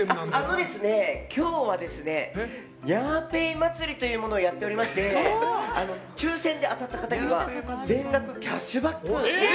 今日はにゃーＰａｙまつりをやっておりまして抽選で当たった方には全額キャッシュバックを。